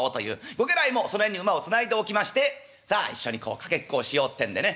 ご家来もその辺に馬をつないでおきましてさあ一緒にかけっこをしようってんでね。